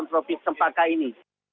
siklon tropis sempaka ini